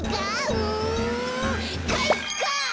うんかいか！